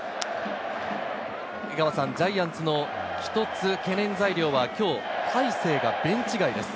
江川さん、ジャイアンツの一つ懸念材料は今日、大勢がベンチ外です。